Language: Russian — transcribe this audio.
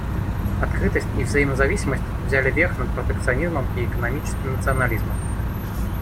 Открытость и взаимозависимость взяли верх над протекционизмом и экономическим национализмом.